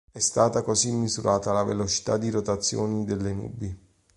È stata così misurata la velocità di rotazione delle nubi.